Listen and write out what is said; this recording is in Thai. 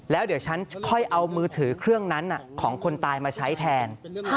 แล้วเดี๋ยวฉันค่อยเอามือถือเครื่องนั้นของคนตายมาใช้แทน